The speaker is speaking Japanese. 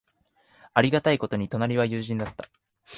ありがたいことに、隣は友人だった。